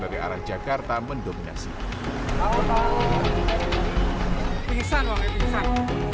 pemuda yang berusaha menerobos jalan kembali ke kebun jati